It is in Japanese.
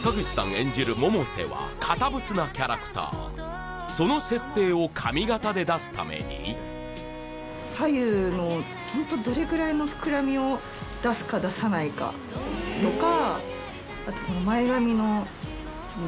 演じる百瀬はその設定を髪形で出すために左右のホントどれくらいの膨らみを出すか出さないかとか